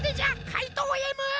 かいとうＭ！